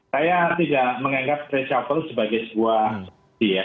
saya tidak menganggap reshuffle sebagai sebuah solusi ya